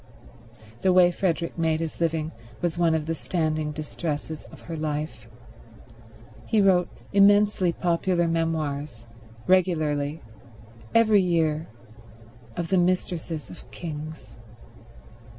The way Frederick made his living was one of the standing distresses of her life. He wrote immensely popular memoirs, regularly, every year, of the mistresses of kings.